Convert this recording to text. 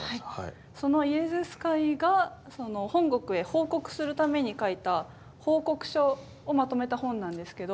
そのイエズス会が本国へ報告するために書いた報告書をまとめた本なんですけど。